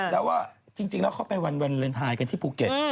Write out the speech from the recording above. แล้วว่าจริงแล้วเขาไปวันเลนไทยกันที่ภูเก็ต